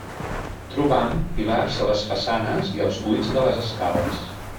Trobam pilars a les façanes i als buits de les escales.